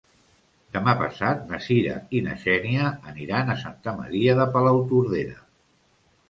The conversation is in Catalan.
Demà passat na Sira i na Xènia aniran a Santa Maria de Palautordera.